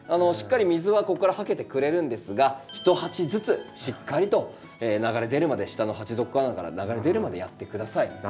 しっかり水はここからはけてくれるんですが一鉢ずつしっかりと流れ出るまで下の鉢底から流れ出るまでやって下さい。